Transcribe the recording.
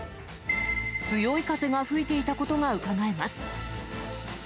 強い風が吹いていたことがうかがえます。